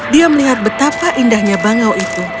dia melihat betapa indahnya bangau itu